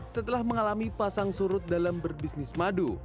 setelah mengalami pasang surut dalam berbisnis madu